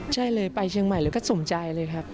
ใช่เลยไปเชียงใหม่แล้วก็สมใจเลยครับ